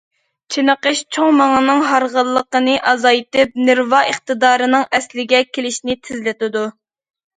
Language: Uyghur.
چېنىقىش— چوڭ مېڭىنىڭ ھارغىنلىقىنى ئازايتىپ، نېرۋا ئىقتىدارىنىڭ ئەسلىگە كېلىشىنى تېزلىتىدۇ.